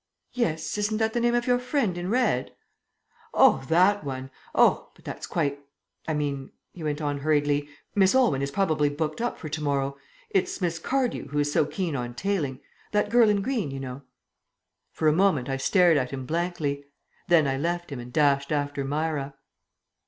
"Yes, isn't that the name of your friend in red?" "Oh, that one. Oh, but that's quite I mean," he went on hurriedly, "Miss Aylwyn is probably booked up for to morrow. It's Miss Cardew who is so keen on tailing. That girl in green, you know." For a moment I stared at him blankly. Then I left him and dashed after Myra.